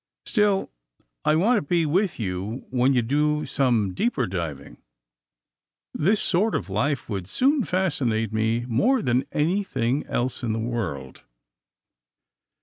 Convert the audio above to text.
'' Still I want to be with you when you do some deeper diving. This sort of life would soon fascinate me more than anything else in the world.